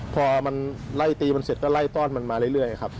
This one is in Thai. พอมันไล่ตีมันเสร็จก็ไล่ต้อนมันมาเรื่อยครับ